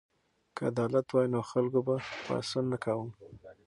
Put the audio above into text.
که عدالت وای نو خلکو به پاڅون نه کاوه.